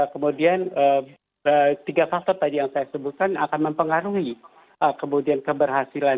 kemudian tiga faktor tadi yang saya sebutkan akan mempengaruhi kemudian keberhasilan